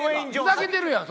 ふざけてるやん